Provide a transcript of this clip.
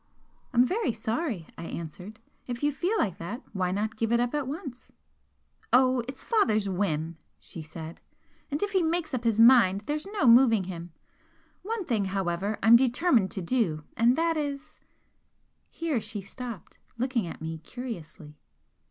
"I'm very sorry!" I answered; "If you feel like that, why not give it up at once?" "Oh, it's father's whim!" she said "And if he makes up his mind there's no moving him. One thing, however, I'm determined to do and that is " Here she stopped, looking at me curiously.